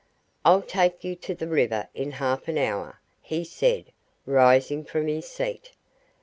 "I'll take you to the river in half an hour," he said, rising from his seat.